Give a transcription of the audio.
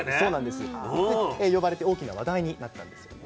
で呼ばれて大きな話題になったんですよね。